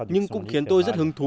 nhưng cũng khiến tôi rất hứng thú